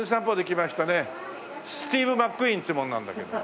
スティーブ・マックイーンっていう者なんだけど。